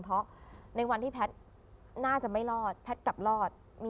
เพราะในวันที่แพทย์น่าจะไม่รอดแพทย์กลับรอด